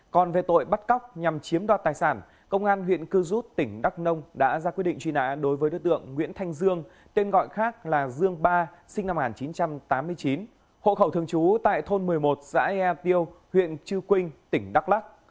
còn về tội bắt cóc nhằm chiếm đoạt tài sản công an huyện cư rút tỉnh đắk nông đã ra quyết định truy nã đối với đối tượng nguyễn thanh dương tên gọi khác là dương ba sinh năm một nghìn chín trăm tám mươi chín hộ khẩu thường trú tại thôn một mươi một xã ea tiêu huyện chư quynh tỉnh đắk lắc